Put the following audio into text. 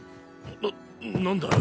な何だよ？